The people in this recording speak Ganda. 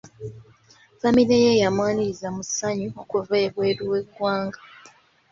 Famire ye yamwaniriza mu ssanyu okuva ebweru w'eggwanga.